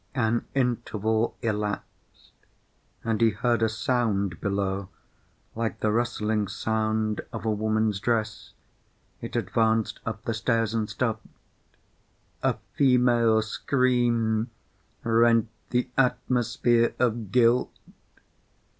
An interval elapsed, and he heard a sound below like the rustling sound of a woman's dress. It advanced up the stairs, and stopped. A female scream rent the atmosphere of guilt.